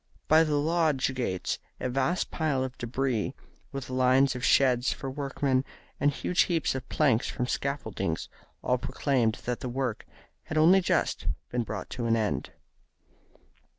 By the lodge gates a vast pile of debris, with lines of sheds for workmen, and huge heaps of planks from scaffoldings, all proclaimed that the work had only just been brought to an end.